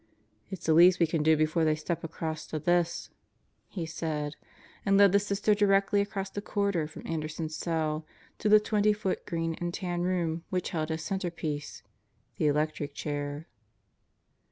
"It's the least we can do before they step across to this," he said, and led the Sisters directly across the corridor from Anderson's cell to the twenty foot green and tan room which held as centerpiece the electric chair.